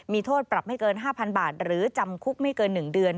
มีโทษปรับไม่เกิน๕๐๐๐บาทหรือจำคุกไม่เกิน๑เดือน